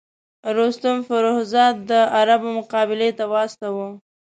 رستم فرُخ زاد د عربو مقابلې ته واستاوه.